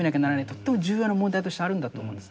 とっても重要な問題としてあるんだと思うんですね。